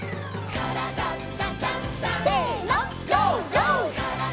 「からだダンダンダン」せの！